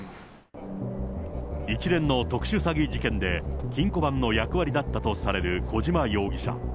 一連の特殊詐欺事件で、金庫番の役割だったとされる小島容疑者。